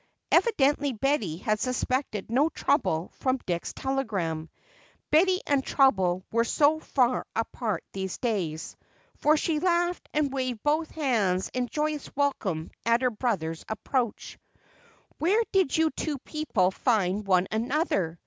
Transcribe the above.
Evidently Betty had suspected no trouble from Dick's telegram (Betty and trouble were so far apart these days), for she laughed and waved both hands in joyous welcome at her brother's approach. "Where did you two people find one another?